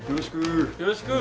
よろしく。